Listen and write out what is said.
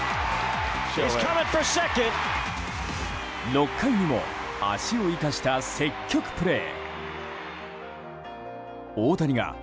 ６回にも足を生かした積極プレー。